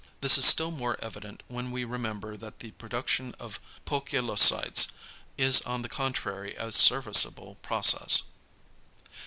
This is still more evident when we remember that the production of poikilocytes is on the contrary a serviceable process.